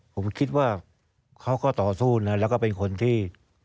ผมคิดว่าเขาก็ต่อสู้นะแล้วก็เป็นคนที่